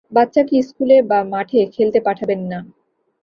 বাচ্চাকে স্কুলে বা মাঠে খেলতে পাঠাবেন না।